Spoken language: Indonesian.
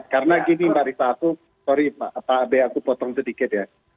karena gini mbak rita aku sorry mbak mbak abe aku potong sedikit ya